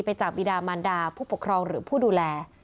จากบิดามันดาผู้ปกครองหรือผู้ดูแล